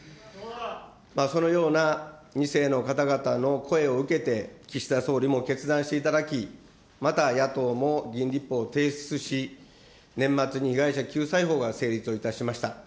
そのような２世の方々の声を受けて、岸田総理も決断していただき、また野党も議員立法を提出し、年末に被害者救済法が成立をいたしました。